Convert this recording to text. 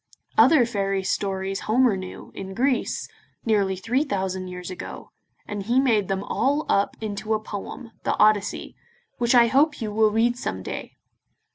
Other fairy stories Homer knew, in Greece, nearly three thousand years ago, and he made them all up into a poem, the Odyssey, which I hope you will read some day.